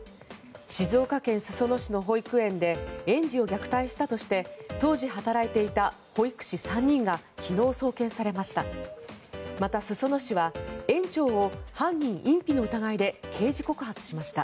静岡県裾野市の保育園で園児を虐待したとして当時働いていた保育士３人が昨日、送検されました。